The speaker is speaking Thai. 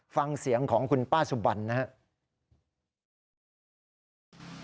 ฟังเสียงของคุณป้าสุบันนะครับ